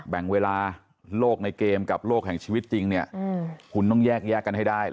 แบ่งเวลาโลกในเกมกับโลกแห่งชีวิตจริงเนี่ยคุณต้องแยกแยกกันให้ได้